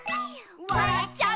「わらっちゃう」